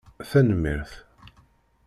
Tanemmirt.